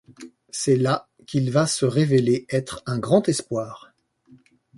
C'est là qu'il va se révélé être un grand espoir.